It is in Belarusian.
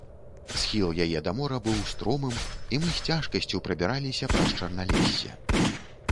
Схіл яе да мора быў стромым, і мы з цяжкасцю прабіраліся праз чарналессе.